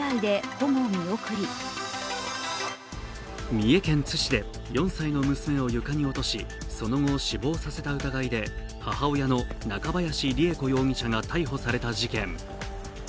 三重県津市で４歳の娘を床に落とし、その後死亡させた疑いで母親の中林りゑ子容疑者が逮捕された事件。